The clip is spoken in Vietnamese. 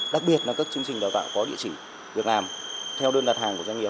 đặc biệt là các chương trình